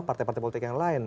partai partai politik yang lain